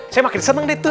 saya makin seneng deh tuh